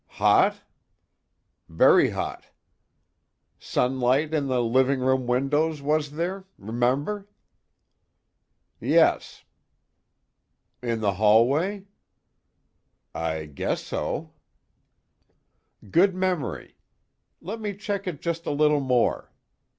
"Hot?" "Very hot." "Sunlight in the living room windows, was there? Remember?" "Yes." "In the hallway?" "I guess so." "Good memory. Let me check it just a little more.